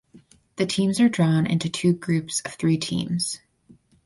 The teams are drawn into two groups of three teams.